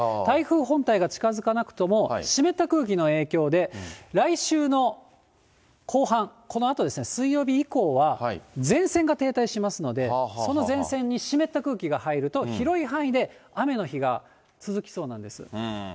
台風本体が近づかなくとも、湿った空気の影響で、来週の後半、このあと、水曜日以降は前線が停滞しますので、その前線に湿った空気が入ると、広い範囲で雨の日が続きそうなんです。